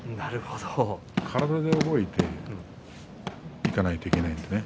体で覚えていかないといけませんね。